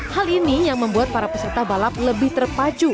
hal ini yang membuat para peserta balap lebih terpacu